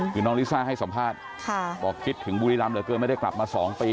คือน้องลิซ่าให้สัมภาษณ์บอกคิดถึงบุรีรำเหลือเกินไม่ได้กลับมา๒ปี